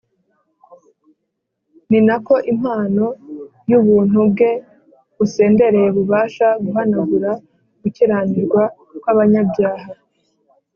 . Ni nako impano y’ubuntu bwe busendereye bubasha guhanagura gukiranirwa kw’abanyabyaha,